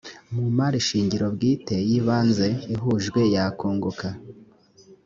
mu mari shingiro bwite y’ibanze ihujwe yakunguka